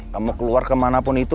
kamu keluar kemana pun itu